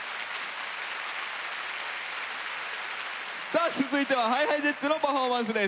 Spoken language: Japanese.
さあ続いてはＨｉＨｉＪｅｔｓのパフォーマンスです。